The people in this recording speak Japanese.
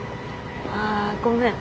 ああごめん。